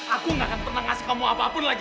aku gak akan pernah ngasih kamu apapun lagi